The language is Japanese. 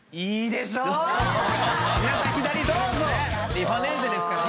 リファネーゼですからね。